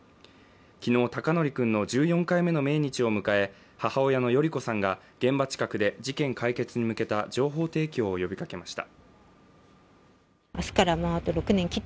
昨日、孝徳君の１４回目の命日を迎え母親の代里子さんが現場近くで事件解決に向けた情報提供を呼びかけました。